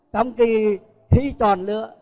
trong cái khi chọn nữa